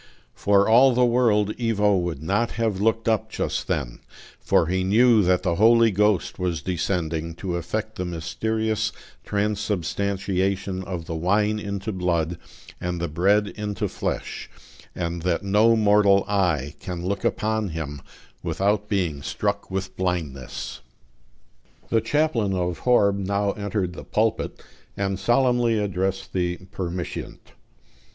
For all the world Ivo would not have looked up just then; for he knew that the Holy Ghost was descending, to effect the mysterious transubstantiation of the wine into blood and the bread into flesh, and that no mortal eye can look upon Him without being struck with blindness. The chaplain of Horb now entered the pulpit, and solemnly addressed the "permitiant."